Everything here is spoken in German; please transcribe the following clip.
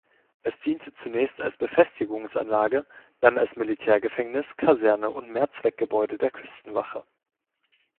Es diente zunächst als Befestigungsanlage, dann als Militärgefängnis, Kaserne und Mehrzweckgebäude der Küstenwache.